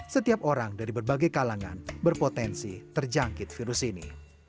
setiap orang dari berbagai kalangan berpotensi terjangkit virus ini